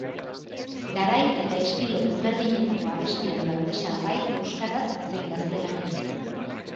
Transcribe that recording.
Garai eta estilo ezberdinetako abestiak daude salgai, euskaraz zein gaztelaniaz.